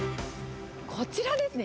こちらですね。